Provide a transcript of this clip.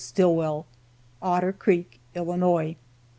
Stillwell, "Otter Creek, Illinois.